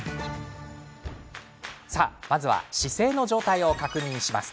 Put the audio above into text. まずは、姿勢の状態を確認します。